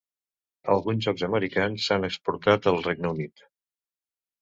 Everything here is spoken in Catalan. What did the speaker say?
Alguns jocs americans s"han exportat al Regne Unit.